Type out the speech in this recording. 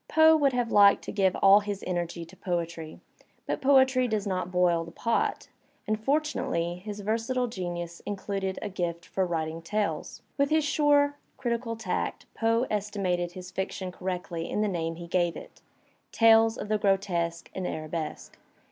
Poe would have liked to give all his energy to poetry, but poetry does not boil the pot, and fortunately his versatile genius included a gift for writing tales. With his suret^ critical tact Poe estimated his fiction correctly in the name he gave it: "Tales of the Grotesque and Arabesque."